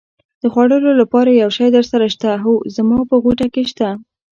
د خوړلو لپاره یو شی درسره شته؟ هو، زما په غوټه کې شته.